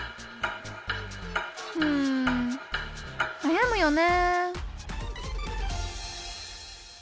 うんなやむよね